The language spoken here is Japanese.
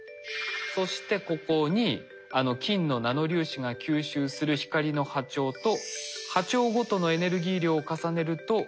そしてここにあの金のナノ粒子が吸収する光の波長と波長ごとのエネルギー量を重ねると。